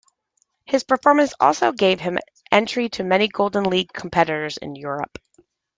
His performance also gave him entry to many Golden League competitions in Europe.